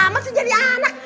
masih jadi anak